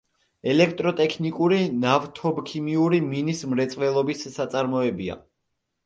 ელექტროტექნიკური, ნავთობქიმიური, მინის მრეწველობის საწარმოებია.